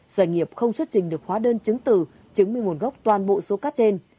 doanh nghiệp không xuất trình được hóa đơn chứng từ chứng minh nguồn gốc toàn bộ số cát trên